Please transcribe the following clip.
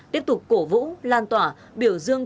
tiếp tục cổ vũ lan tỏa biểu dương